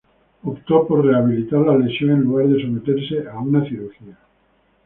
Optó por rehabilitar la lesión en lugar de someterse a una cirugía.